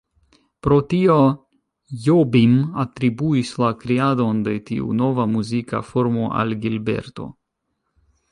Pro tio, Jobim atribuis la kreadon de tiu nova muzika formo al Gilberto.